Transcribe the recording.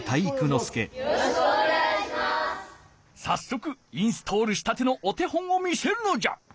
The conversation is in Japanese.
さっそくインストールしたてのお手本を見せるのじゃ。